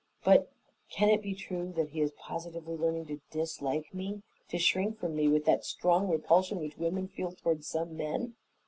But can it be true that he is positively learning to dislike me? To shrink from me with that strong repulsion which women feel toward some men?